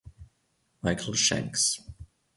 Michael Shanks